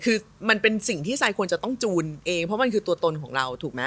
คือมันเป็นสิ่งที่ซายควรจะต้องจูนเองเพราะมันคือตัวตนของเราถูกไหม